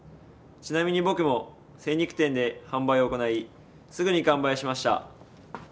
ちなみに僕も精肉店で販売を行いすぐに完売しました。